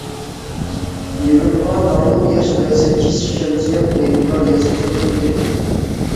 يىغىنغا داڭلىق ياش رىياسەتچى شەمسىيە ئەبەيدۇللا رىياسەتچىلىك قىلدى.